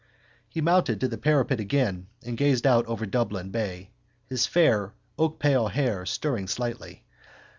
He mounted to the parapet again and gazed out over Dublin bay, his fair oakpale hair stirring slightly.